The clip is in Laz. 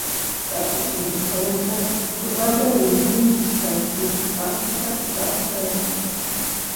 Ǩat̆uşi motalepe dğaleri lumci şakis artiǩartis asternan.